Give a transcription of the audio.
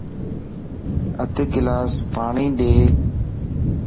اڌ گلاس پاڻين ڏي